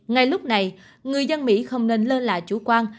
ngay lúc này người dân mỹ không nên lơ là chủ quan